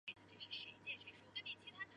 刘邦出征皆与樊哙一同。